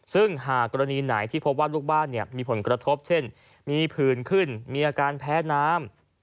ซึ่งหากกรณีไหนที่พบว่าลูกบ้านมีผลกระทบเช่นมีผื่นขึ้นมีอาการแพ้น้ำ